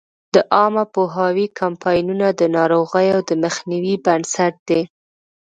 د عامه پوهاوي کمپاینونه د ناروغیو د مخنیوي بنسټ دی.